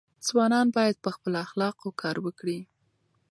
ځوانان باید په خپلو اخلاقو کار وکړي.